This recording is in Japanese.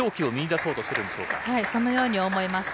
そのように思います。